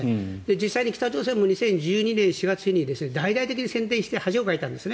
実際に北朝鮮も２０１２年４月に大々的に宣伝して恥をかいたんです。